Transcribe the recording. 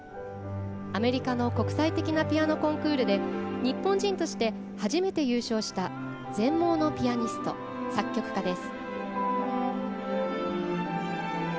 アメリカの国際的なピアノコンクールで日本人として初めて優勝した全盲のピアニスト・作曲家です。